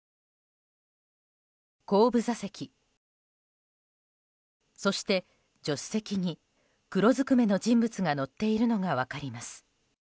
後部座席、そして助手席に黒ずくめの人物が乗っているのが分かります。